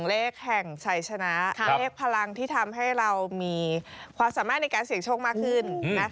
เลขแห่งชัยชนะเลขพลังที่ทำให้เรามีความสามารถในการเสี่ยงโชคมากขึ้น